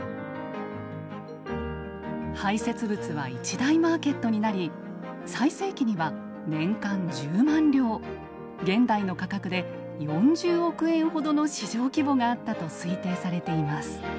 排せつ物は一大マーケットになり最盛期には年間１０万両現代の価格で４０億円ほどの市場規模があったと推定されています。